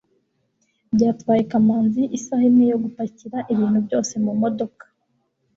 byatwaye kamanzi isaha imwe yo gupakira ibintu byose mumodoka